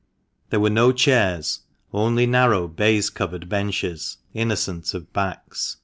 There were no chairs — only narrow, baize covered benches, innocent of backs.